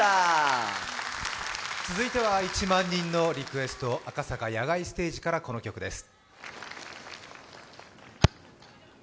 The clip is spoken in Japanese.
続いては１万人のリクエスト赤坂野外ステージからこの曲です。